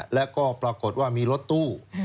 แล้วก็ปรากฏว่ามีรถตู้